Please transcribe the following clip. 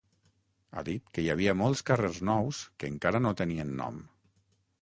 Ha dit que hi havia molts carrers nous que encara no tenien nom.